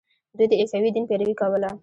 دوی د عیسوي دین پیروي کوله.